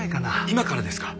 今からですか？